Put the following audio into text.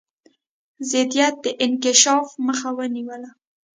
ضدیت د انکشاف مخه ونیوله.